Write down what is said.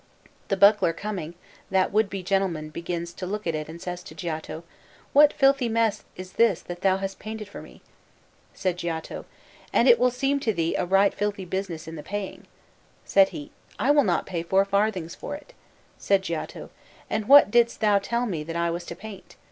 The buckler coming, that would be gentleman begins to look at it and says to Giotto, 'What filthy mess is this that thou hast painted for me?' Said Giotto, 'And it will seem to thee a right filthy business in the paying.' Said he, 'I will not pay four farthings for it.' Said Giotto, 'And what didst thou tell me that I was to paint?'